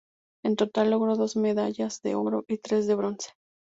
En total logró dos medallas de oro y tres de bronce.